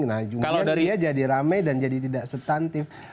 nah kemudian dia jadi rame dan jadi tidak subtantif